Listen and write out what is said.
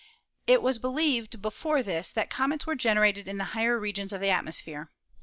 It was believed before this that comets were generated in the higher regions of the atmosphere.